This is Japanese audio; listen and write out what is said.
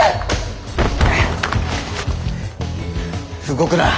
動くな。